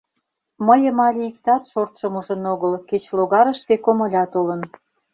Мыйым але иктат шортшым ужын огыл, кеч логарышке комыля толын...